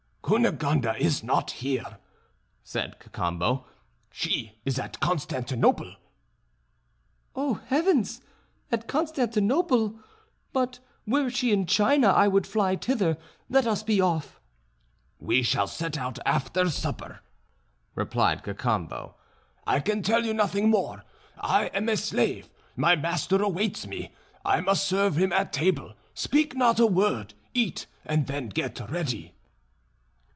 "Cunegonde is not here," said Cacambo, "she is at Constantinople." "Oh, heavens! at Constantinople! But were she in China I would fly thither; let us be off." "We shall set out after supper," replied Cacambo. "I can tell you nothing more; I am a slave, my master awaits me, I must serve him at table; speak not a word, eat, and then get ready."